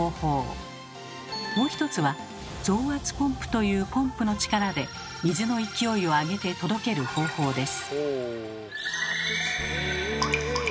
もう一つは「増圧ポンプ」というポンプの力で水の勢いを上げて届ける方法です。